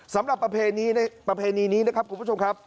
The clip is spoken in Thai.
ประเพณีประเพณีนี้นะครับคุณผู้ชมครับ